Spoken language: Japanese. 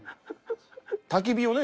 焚き火をね